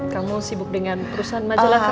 kamu sibuk dengan perusahaan majalah